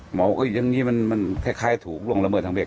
บอกว่าอย่างนี้มันคล้ายถูกล่วงละเมิดทางเด็ก